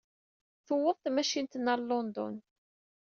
Tewweḍ tmacint-nni ar Lundun.